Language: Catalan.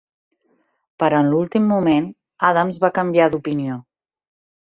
Però en l'últim moment, Adams va canviar d'opinió.